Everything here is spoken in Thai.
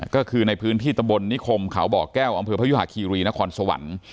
ก็คือในพื้นที่ตำบลนิคมเขาบ่อแก้วอำเภอพยุหาคีรีนครสวรรค์